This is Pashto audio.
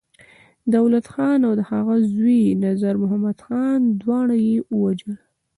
دولت خان او د هغه زوی نظرمحمد خان، دواړه يې ووژل.